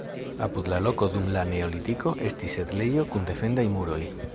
Apud la loko dum la neolitiko estis setlejo kun defendaj muroj.